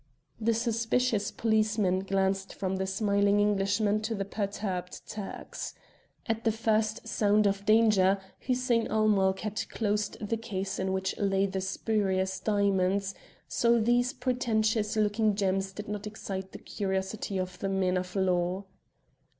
The suspicious policemen glanced from the smiling Englishman to the perturbed Turks. At the first sound of danger Hussein ul Mulk had closed the case in which lay the spurious diamonds, so these pretentious looking gems did not excite the curiosity of the men of law.